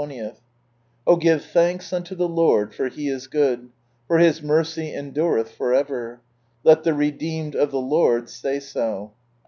—" O give thanks unto the Lord, for He is good, for His mercy endureth for ever \ let the redeemed of the Lord say so."